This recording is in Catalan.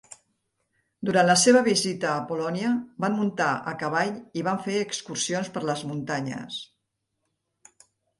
Durant la seva visita a Polònia, van muntar a cavall i van fer excursions per les muntanyes.